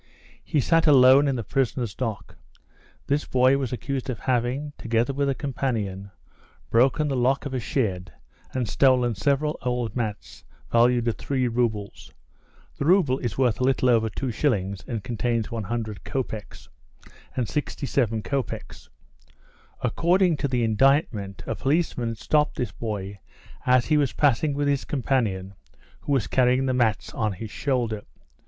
He sat alone in the prisoner's dock. This boy was accused of having, together with a companion, broken the lock of a shed and stolen several old mats valued at 3 roubles [the rouble is worth a little over two shillings, and contains 100 copecks] and 67 copecks. According to the indictment, a policeman had stopped this boy as he was passing with his companion, who was carrying the mats on his shoulder.